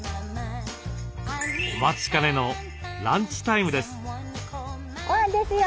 お待ちかねのランチタイムです。